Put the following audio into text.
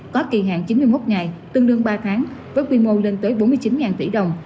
có kỳ hạn chín mươi một ngày tương đương ba tháng với quy mô lên tới bốn mươi chín tỷ đồng